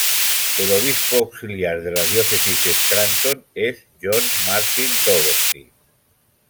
El obispo auxiliar de la Diócesis de Scranton es John Martin Dougherty.